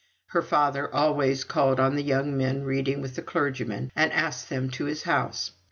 Her father always called on the young men reading with the clergyman, and asked them to his house.